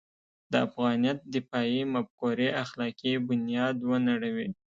د افغانیت دفاعي مفکورې اخلاقي بنیاد ونړوي.